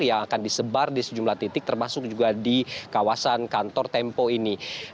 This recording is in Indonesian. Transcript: yang akan disebar di sejumlah titik termasuk juga di kawasan kantor tempo ini